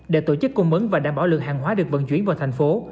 để tổ chức cung bấn và đảm bảo lực hàng hóa được vận chuyển vào thành phố